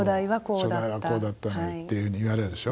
「初代はこうだった」っていうふうに言われるでしょ。